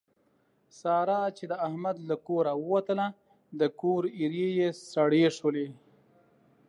ساره چې د احمد له کوره ووتله د کور ایرې یې سړې شولې.